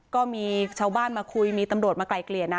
ก็มีชาวบ้านมาคุยมีตำรวจมาไกลเกลี่ยนะ